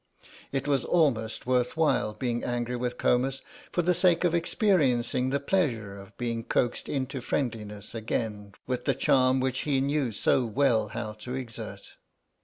It was almost worth while being angry with Comus for the sake of experiencing the pleasure of being coaxed into friendliness again with the charm which he knew so well how to exert.